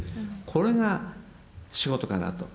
これが仕事かなと。